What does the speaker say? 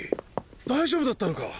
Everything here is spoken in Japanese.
大丈夫だったのか？